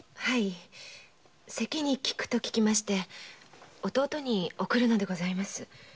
咳に効くと聞きまして弟に送るのでございます。